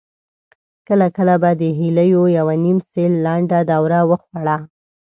کله کله به د هيليو يوه نيم سېل لنډه دوره وخوړه.